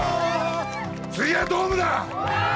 次はドームだ！